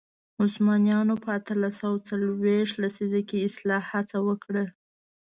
عثمانیانو په اتلس سوه څلوېښت لسیزه کې اصلاح هڅه وکړه.